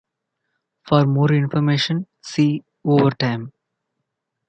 For more information, see Overtime.